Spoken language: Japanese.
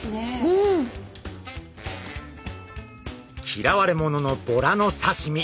嫌われ者のボラの刺身。